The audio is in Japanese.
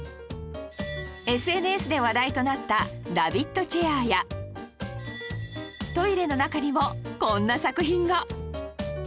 ＳＮＳ で話題となったラビットチェアやトイレの中にもこんな作品が